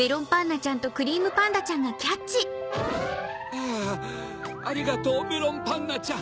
あぁありがとうメロンパンナちゃん。